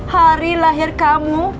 hari lahir kamu